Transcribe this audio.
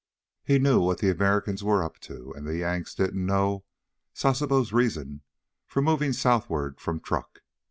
He knew what the Americans were up to, and the Yanks didn't know Sasebo's reason for moving southward from Truk.